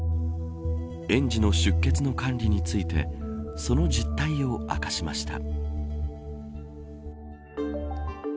園児の出欠の管理についてその実態を明かしました。